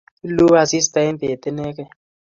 Luu asista eng bet inegei